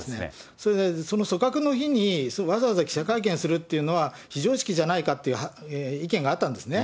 それでその組閣の日にわざわざ記者会見するというのは、非常識じゃないかっていう意見があったんですね。